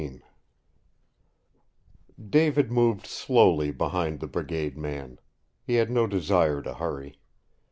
XIV David moved slowly behind the brigade man. He had no desire to hurry.